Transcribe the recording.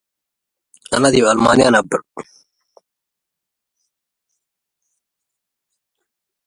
Priming the stars is often necessary because they may be hard to ignite.